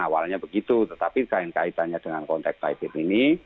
awalnya begitu tetapi kain kaitannya dengan konteks covid sembilan belas ini